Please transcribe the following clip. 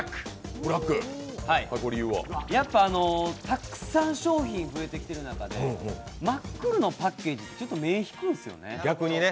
たくさん商品増えてきている中で、真っ黒のパッケージ、ちょっと目を引くんですよね。